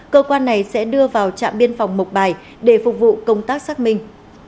cơ quan này sẽ đưa vào trạm biên phòng mộc bài để phục vụ công tác xác minh